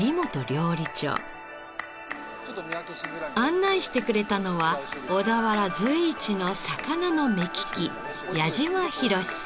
案内してくれたのは小田原随一の魚の目利き矢嶋寛さん。